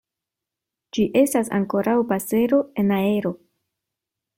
Ĝi estas ankoraŭ pasero en aero.